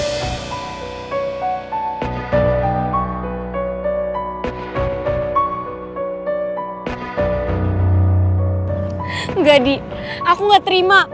enggak di aku nggak terima